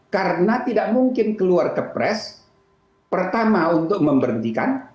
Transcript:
karena tidak mungkin keluar ke pres pertama untuk memberhentikan